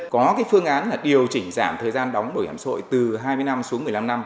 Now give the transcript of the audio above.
có cái phương án là điều chỉnh giảm thời gian đóng bảo hiểm xã hội từ hai mươi năm xuống một mươi năm năm